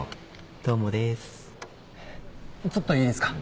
ちょっといいですか？